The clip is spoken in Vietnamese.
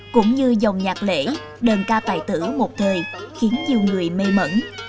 cũng như dòng nhạc lễ đơn ca tài tử một thời khiến nhiều người mê mẩn